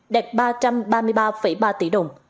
đạt ba trăm ba mươi ba ba tỷ đồng